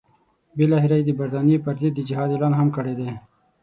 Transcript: بالاخره یې د برټانیې پر ضد د جهاد اعلان هم کړی دی.